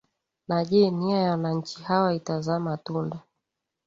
na je nia ya wananchi hawa itazaa matunda